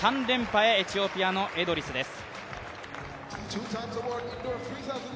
３連覇へエチオピアのエドリスです